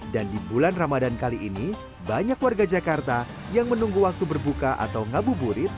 dan di bulan ramadan kali ini banyak warga jakarta yang menunggu waktu berbuka atau ngabuburit